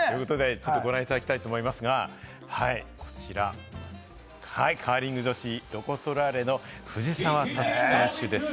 ちょっとご覧いただきたいと思いますが、こちらカーリング女子、ロコ・ソラーレの藤澤五月選手です。